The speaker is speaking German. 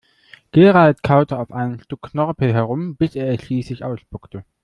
Gerald kaute auf einem Stück Knorpel herum, bis er es schließlich ausspuckte.